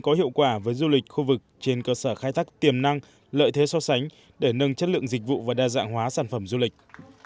có hiệu quả với du lịch khu vực trên cơ sở khai thác tiềm năng lợi thế so sánh để nâng chất lượng dịch vụ và đa dạng hóa sản phẩm du lịch